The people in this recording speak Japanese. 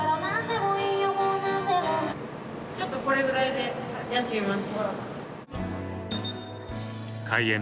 ちょっとこれぐらいでやってみます。